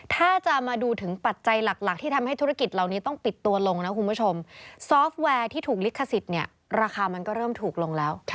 ถ้าจะมาดูถึงปัจจัยหลักที่ทำให้ธุรกิจเหล่านี้ต้องปิดตัวลงนะคุณผู้ชมซอฟต์แวร์ที่ถูกลิขสิทธิ์เนี่ยราคามันก็เริ่มถูกลงแล้ว